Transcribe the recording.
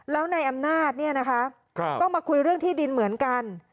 แล้วในอำนาจต้องมาคุยเรื่องที่ดินเหมือนกัน